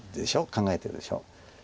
考えてるでしょ。